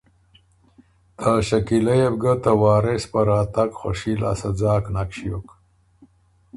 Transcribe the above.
ته شکیلۀ يې بو ګه ته وارث په راتګ خوشي لاسته ځاک نک ݭیوک۔